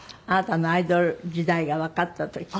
あなたのアイドル時代がわかった時。